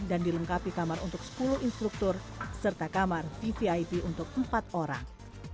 dan dilengkapi kamar untuk sepuluh instruktur serta kamar vvip untuk empat orang